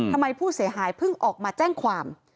ทำไมผู้เสียหายเพิ่งออกมาแจ้งความ